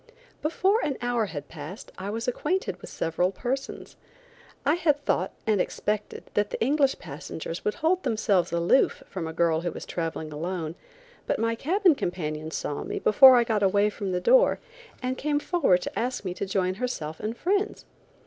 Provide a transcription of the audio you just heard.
Before an hour had passed I was acquainted with several persons. I had thought and expected that the English passengers would hold themselves aloof from a girl who was traveling alone, but my cabin companion saw me before I got away from the door, and came forward to ask me to join herself and friends.